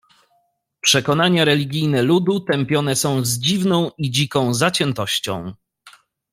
"Przekonania religijne ludu tępione są z dziwną i dziką zaciętością."